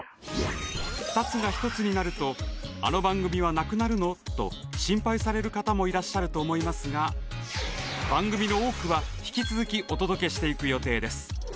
「２つが１つになるとあの番組はなくなるの？」と心配される方もいらっしゃると思いますが番組の多くは引き続きお届けしていく予定です！